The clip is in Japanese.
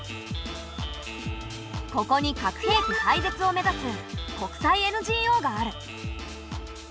ここに核兵器廃絶を目指す国際ＮＧＯがある。